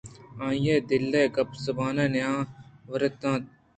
آئی ءَ دل ءِ گپ زبان ء نیا ورت اَنت